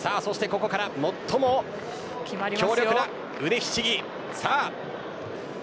ここから最も強力な腕ひしぎ。